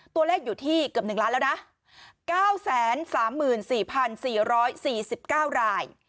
ตัวเลขอยู่ที่เกือบ๑ล้านแล้วนะ๙๓๔๔๔๙ราย